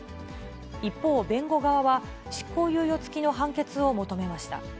一方、弁護側は、執行猶予付きの判決を求めました。